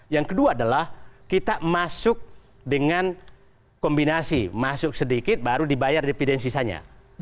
yang kedua adalah kita masuk dengan kombinasi masuk sedikit baru dibayar dividen sisanya